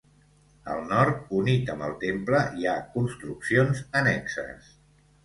Al nord, unit amb el temple, hi ha construccions annexes.